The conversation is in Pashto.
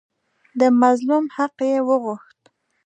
د مظلوم حق یې وغوښت.